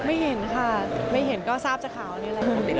ไม่เห็นค่ะไม่เห็นก็ทราบจะขาวเลย